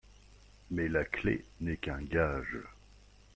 Mais la clef n'est qu'un gage.